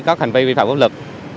các hành vi vi phạm quốc lực